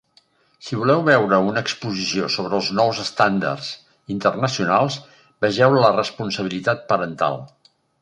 Si voleu veure una exposició sobre els nous estàndards internacionals, vegeu la responsabilitat parental.